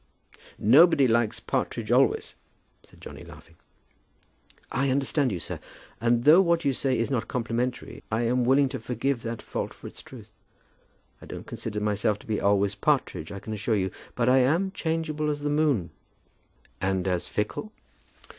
"Nobody likes partridge always," said Johnny laughing. "I understand you, sir. And though what you say is not complimentary, I am willing to forgive that fault for its truth. I don't consider myself to be always partridge, I can assure you. I am as changeable as the moon." "And as fickle?"